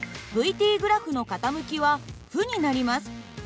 ｔグラフの傾きは負になります。